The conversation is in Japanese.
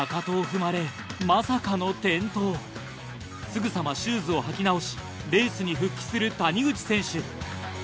すぐさまシューズを履き直しレースに復帰する谷口選手。